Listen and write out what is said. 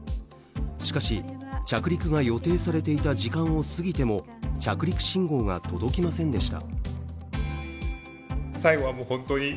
しかし、着陸が予定されていた時間を過ぎても着陸信号が届きませんでした。